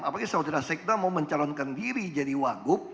apakah saudara sekda mau mencalonkan diri jadi wak gup